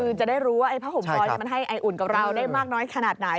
คือจะได้รู้ว่าไอ้ผ้าห่มพลอยมันให้ไออุ่นกับเราได้มากน้อยขนาดไหน